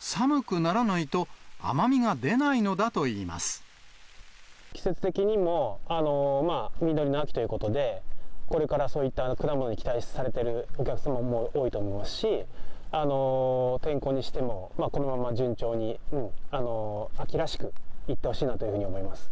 寒くならないと、季節的にも実りの秋ということで、これからそういった果物に期待されているお客様も多いと思うし、天候にしても、このまま順調に秋らしくいってほしいなというふうに思います。